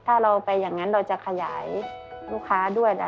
ถ้าเราไปอย่างนั้นเราจะขยายลูกค้าด้วย